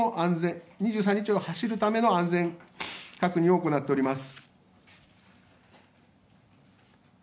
２３日を走るための安全確認を行っております。